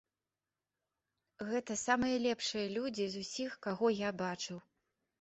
Гэта самыя лепшыя людзі з усіх, каго я бачыў.